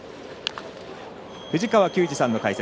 藤川球児さんの解説。